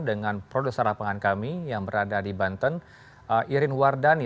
dengan produser lapangan kami yang berada di banten irin wardani